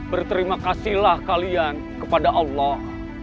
berterima kasihlah kalian kepada allah